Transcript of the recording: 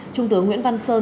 trung tướng nguyễn văn sơn